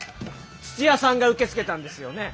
土屋さんが受け付けたんですよね？